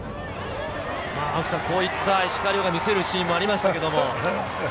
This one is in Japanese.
こういった石川遼が見せるシーンもありました。